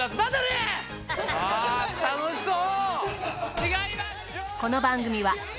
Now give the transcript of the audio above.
楽しそう！